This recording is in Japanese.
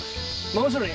真後ろに？